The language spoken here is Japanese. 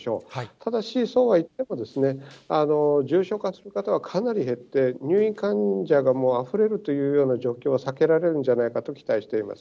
ただし、そうはいっても、重症化する方はかなり減って、入院患者がもうあふれるというような状況は避けられるんじゃないかと期待しています。